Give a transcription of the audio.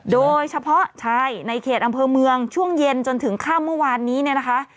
โดยเฉพาะในเขตอำเภอเมืองช่วงเย็นจนถึงข้ามเมื่อวานนี้นะคะ